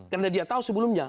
karena dia tahu sebelumnya